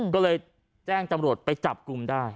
ก็เลยแจ้งตำรวจไปจับกลุ่มได้